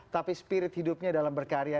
tapi spirit hidupnya dalam berkarya